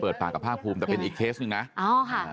เปิดปากกับภาคภูมิแต่เป็นอีกเคสหนึ่งนะ